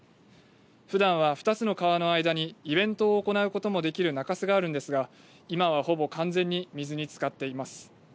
ふだんは２つの川の間にイベントを行うこともできる中州があるんですが今は完全に水につかっています。